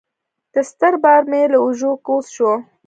دا ستر بار مې له اوږو کوز شو.